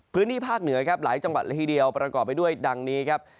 พื้นที่ภาคเหนือครับหลายจังหวัดละทีเดียวประกอบไปด้วยดังนี้ครับ